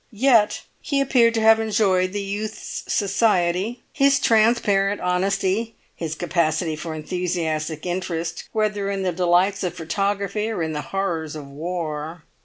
Yet he appeared to have enjoyed the youth's society, his transparent honesty, his capacity for enthusiastic interest, whether in the delights of photography or in the horrors of war.